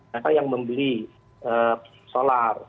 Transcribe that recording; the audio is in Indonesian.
siapa yang membeli solar